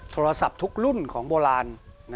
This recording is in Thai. โทรศัพท์ทุกรุ่นของโบราณ